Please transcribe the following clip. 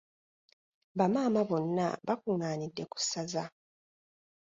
Bamaama bonna baakungaanidde ku ssaza.